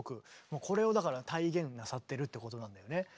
これをだから体現なさってるってことなんだよね。